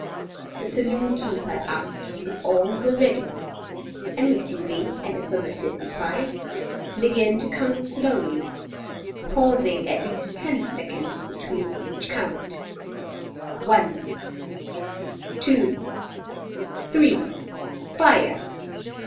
The saloon keeper asked if all were ready, and receiving an affirmative reply, began to count slowly, pausing at least ten seconds between each count: "one, two, three fire!"